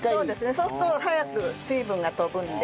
そうすると早く水分が飛ぶんで。